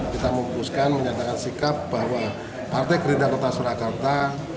kita memutuskan menyatakan sikap bahwa partai gerindra kota surakarta